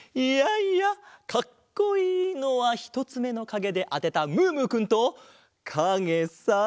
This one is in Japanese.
いやいやかっこいいのはひとつめのかげであてたムームーくんとかげさ。